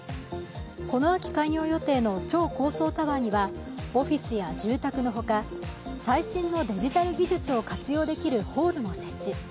この秋開業予定の超高層タワーにはオフィスや住宅のほか、最新のデジタル技術を活用できるホールも設置。